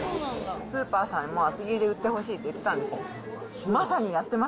スーパーさんにも厚切りで売ってほしいって言ってたんですよ。